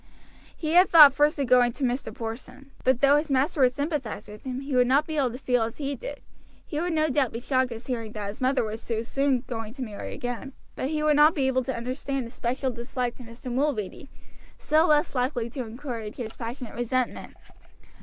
He had thought first of going to Mr. Porson. But though his master would sympathize with him he would not be able to feel as he did; he would no doubt be shocked at hearing that his mother was so soon going to marry again, but he would not be able to understand the special dislike to Mr. Mulready, still less likely to encourage his passionate resentment.